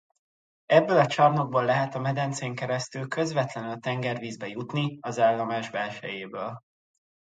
Ebből a csarnokból lehet a medencén keresztül közvetlenül a tengervízbe jutni az állomás belsejéből.